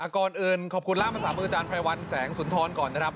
ก่อนอื่นขอบคุณล่ามภาษามืออาจารย์ไพรวัลแสงสุนทรก่อนนะครับ